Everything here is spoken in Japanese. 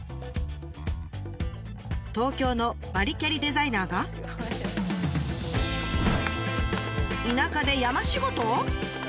東京のバリキャリデザイナーが田舎で山仕事！？